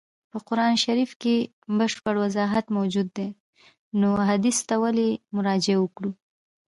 په قرآن شریف کي بشپړ وضاحت موجود دی نو احادیثو ته ولي مراجعه وکړو.